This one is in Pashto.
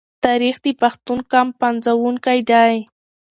تاریخ د پښتون قام پنځونکی دی.